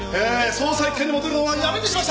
捜査一課に戻るのはやめにしました。